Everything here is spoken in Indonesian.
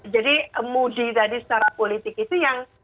jadi moody tadi secara politik itu yang